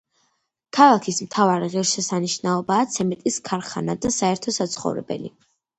ქალაქის მთავარი ღირშესანიშნაობაა ცემენტის ქარხანა და საერთო საცხოვრებელი.